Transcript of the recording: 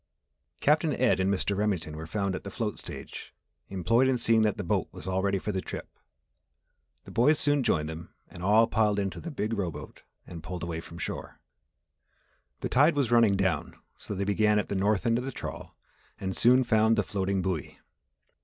Captain Ed and Mr. Remington were found at the float stage employed in seeing that the boat was all ready for the trip. The boys soon joined them and all piled into the big rowboat and pulled away from shore. The tide was running down so they began at the north end of the trawl and soon found the floating buoy.